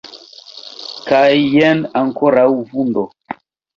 Kaj, jen, ankoraŭ vundo.